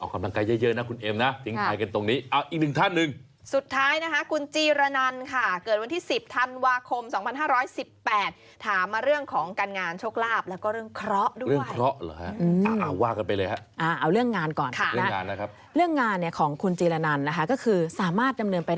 กำลังกายเยอะนะคุณเอ็มนะถึงถ่ายกันตรงนี้